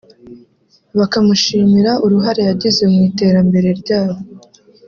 bakamushimira uruhare yagize mu iterambere ryabo